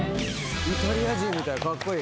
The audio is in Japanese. イタリア人みたい。